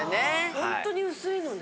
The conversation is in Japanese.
・本当に薄いのね・